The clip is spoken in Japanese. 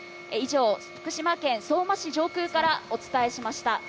以上、福島県相馬市上空からお伝えしました。